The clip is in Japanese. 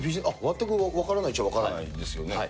分からないっちゃ分からないですよね。